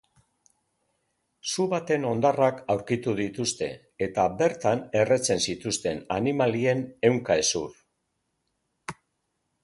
Su baten hondarrak aurkitu dituzte eta bertan erretzen zituzten animaliren ehunka hezur.